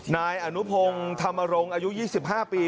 นายอุณหภงธรรมโรงสรุปอายุ๒๕ปี